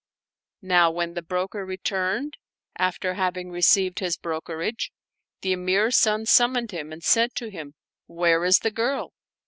Now when the broker returned, after having received his brokerage, the Emir's son summoned him and said to him, "Where is the girl?"